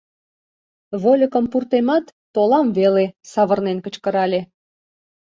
— Вольыкым пуртемат, толам веле, — савырнен кычкырале.